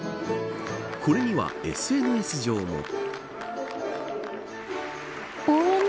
これにはＳＮＳ上も。